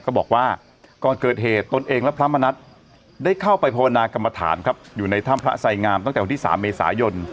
บอกว่าก่อนเกิดเหตุตนเองและพระมณัฐได้เข้าไปภาวนากรรมฐานครับอยู่ในถ้ำพระไสงามตั้งแต่วันที่๓เมษายน